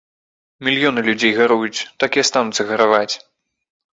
Мільёны людзей гаруюць, так і астануцца гараваць.